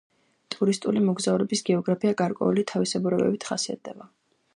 ტურისტული მოგზაურობის გეოგრაფია გარკვეული თავისებურებებით ხასიათდება.